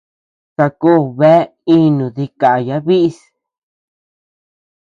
Sakó bea inu dikaya bíʼis.